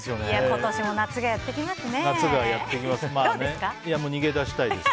今年も夏がやってきますね。